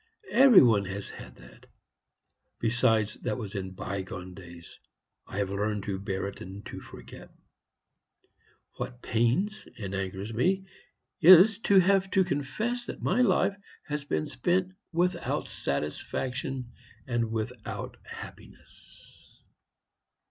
every one has had that. Besides, that was in bygone days; I have learned to bear it, and to forget. What pains and angers me is, to have to confess that my life has been spent without satisfaction and without happiness."